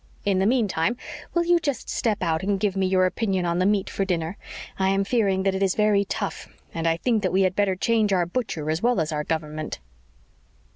In the meantime, will you just step out and give me your opinion on the meat for dinner? I am fearing that it is very tough, and I think that we had better change our butcher as well as our government."